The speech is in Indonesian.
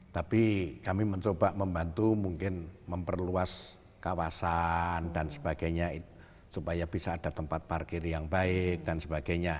tapi kami mencoba membantu mungkin memperluas kawasan dan sebagainya supaya bisa ada tempat parkir yang baik dan sebagainya